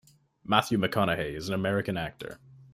Matthew McConaughey is an American actor.